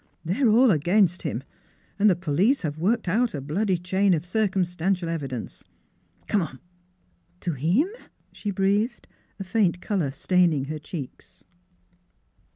they're all against him, and the police have worked out a bloody chain of cir cumstantial evidence. Come on !"" To 'imf " she. breathed, a faint color staining her cheeks.